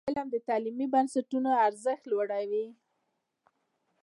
علم د تعلیمي بنسټونو ارزښت لوړوي.